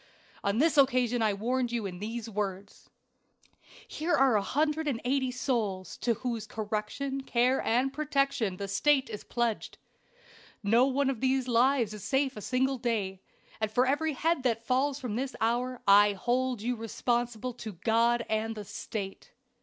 "On this occasion I warned you in these words: "'Here are 180 souls, to whose correction, care and protection the State is pledged. No one of these lives is safe a single day; and for every head that falls from this hour I hold you responsible to God and the State.'